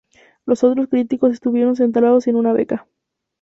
Los otros críticos estuvieron centrados sin una beca.